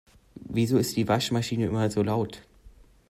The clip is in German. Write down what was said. Wieso ist die Waschmaschine immer so laut?